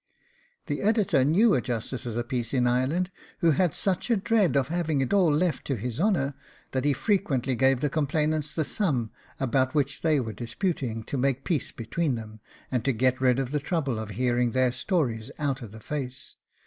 The Editor knew a justice of the peace in Ireland who had such a dread of HAVING IT ALL LEFT TO HIS HONOUR, that he frequently gave the complainants the sum about which they were disputing, to make peace between them, and to get rid of the trouble of hearing their stories OUT OF THE FACE.